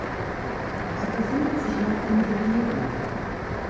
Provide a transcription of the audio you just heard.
Er befindet sich noch in Belegung.